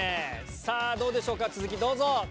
さあ、どうでしょうか、続き、どうぞ。